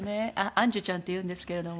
杏樹ちゃんっていうんですけれども。